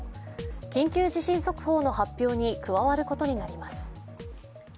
緊急地震速報の発表に加わることになります。